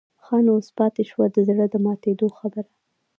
ښه نو اوس پاتې شوه د زړه د ماتېدو خبره.